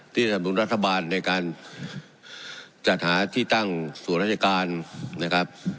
สนับสนุนรัฐบาลในการจัดหาที่ตั้งส่วนราชการนะครับ